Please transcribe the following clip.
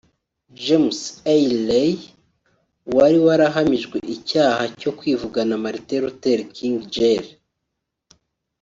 James Earl Ray wari warahamijwe icyaha cyo kwivugana Martin Luther King Jr